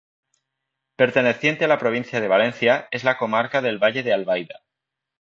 Perteneciente a la provincia de Valencia, en la comarca del Valle de Albaida.